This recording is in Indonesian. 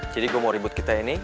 jadi gue mau ribut kita ini